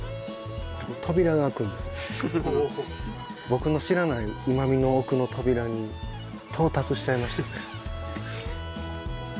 僕の知らないうまみの奥の扉に到達しちゃいましたね。